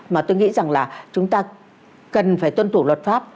mà tôi nghĩ rằng là chúng ta cần phải tuân thủ luật pháp